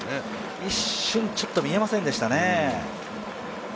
一瞬ちょっと見えませんでしたね。